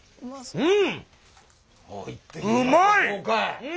うん！